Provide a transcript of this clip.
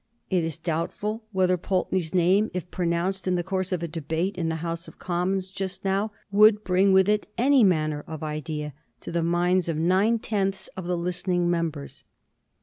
It is doubtful whether Pulteney's name, if pronounced in the course of a debate in the House of Commons just now, would bring with it any manner of idea to the minds of nine tenths of the listeijiing members.